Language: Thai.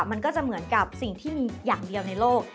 มันก็จะเหมือนกับสิ่งที่มีอย่างเดียวในโลก